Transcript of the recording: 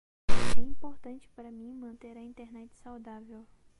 É importante para mim manter a Internet saudável.